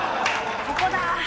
「ここだ！」。